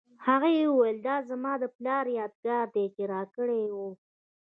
هغې وویل دا زما د پلار یادګار دی چې راکړی یې و